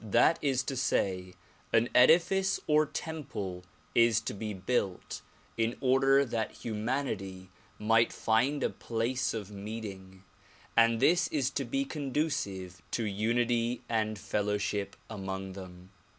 That is to say an edifice or temple is to be built in order that humanity might find a place of meeting and this is to be conducive to unity and fellowship among them.